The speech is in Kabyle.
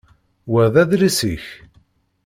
Wa d adlis-ik?